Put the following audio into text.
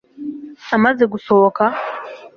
amaze gusohoka